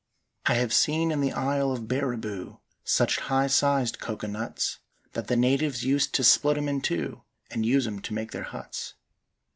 "I have seen in the isle of Barriboo Such high sized coco nuts, That the natives used to split 'em in two And use 'em to make their huts.